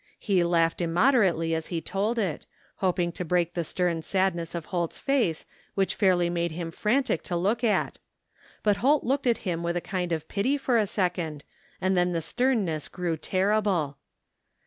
He laughed im moderately as he told it, hoping to break the stem sad ness of Holt's face, which fairly made him frantic to look at, but Holt looked at him with a kind of pity for a second, and then the sternness grew terrible.